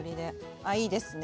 あいいですね。